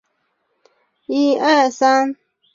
后在哥伦比亚大学和萨塞克斯大学担任客座教授。